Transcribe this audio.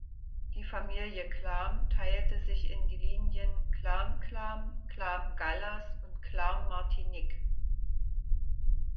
Die Familie Clam teilte sich in die Linien Clam-Clam, Clam-Gallas und Clam-Martinic.